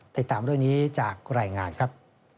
ติดตามเรื่องนี้จากรายงานครับ